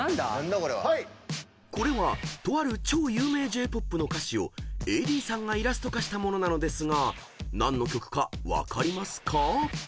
［これはとある超有名Ｊ−ＰＯＰの歌詞をＡＤさんがイラスト化した物なのですが何の曲か分かりますか？］